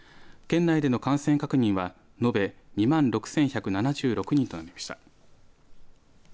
県内での感染確認は延べ２万６１７６人となりました。